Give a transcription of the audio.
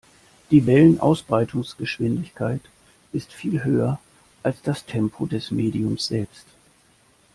Die Wellenausbreitungsgeschwindigkeit ist viel höher als das Tempo des Mediums selbst.